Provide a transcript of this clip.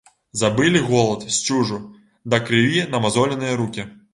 Забылі голад, сцюжу, да крыві намазоленыя рукі.